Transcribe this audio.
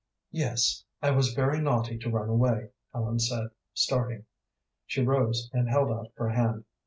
"Yes, I was very naughty to run away," Ellen said, starting. She rose, and held out her hand.